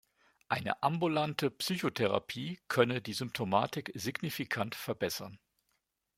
Eine ambulante Psychotherapie könne die Symptomatik signifikant verbessern.